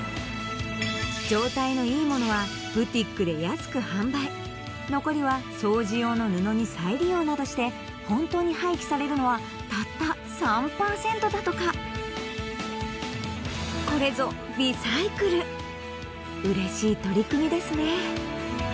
状態のいいものはブティックで安く販売残りは掃除用の布に再利用などして本当に廃棄されるのはたった３％だとかこれぞリサイクル嬉しい取り組みですね